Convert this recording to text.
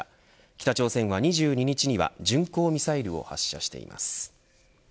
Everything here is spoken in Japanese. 北朝鮮は２２日には巡航ミサイルを発射しています。